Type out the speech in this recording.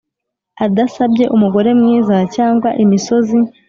adasabye umugore mwiza cyangwa imisozi